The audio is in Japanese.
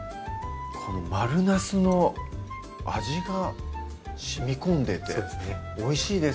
この丸なすの味がしみこんでておいしいですね